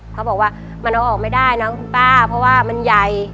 เขาบอกว่ามันเอาออกไม่ได้นะคุณป้าเพราะว่ามันใหญ่